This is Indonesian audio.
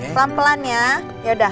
pelan pelan ya yaudah